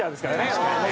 確かにね。